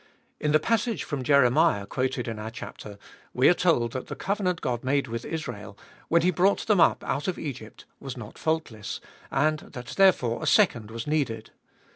In the passage from Jeremiah quoted in our chapter we are told that the covenant God made with Israel, when He brought them up out of Egypt, was not faultless, and that therefore a second was needed.